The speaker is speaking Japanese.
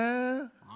あ？